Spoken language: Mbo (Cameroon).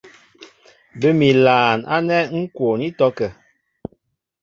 Bə́ mi ilaan ánɛ́ ŋ́ kwoon ítɔ́kə̂.